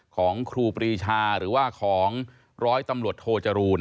ครูปรีชาหรือว่าของร้อยตำรวจโทจรูล